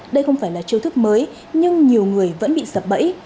đây không phải là chiêu thức mới nhưng nhiều người vẫn bị sập bẫy